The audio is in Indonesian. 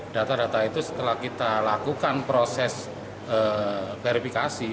data data itu setelah kita lakukan proses verifikasi